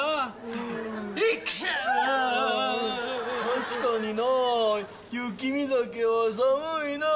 確かにな雪見酒は寒いな。